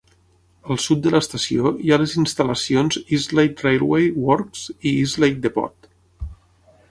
Al sud de l'estació hi ha les instal·lacions Eastleigh Railway Works i Eastleigh Depot.